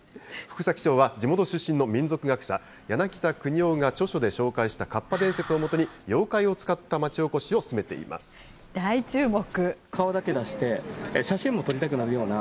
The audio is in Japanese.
福崎町は地元出身の民俗学者、柳田國男が著書で紹介したかっぱ伝説をもとに妖怪を使ったまちお大注目。